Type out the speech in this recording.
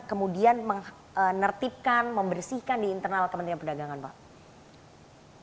kemudian menertibkan membersihkan di internal kementerian perdagangan pak